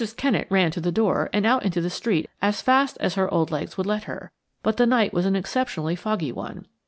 Kennett ran to the door and out into the street as fast as her old legs would let her; but the night was an exceptionally foggy one.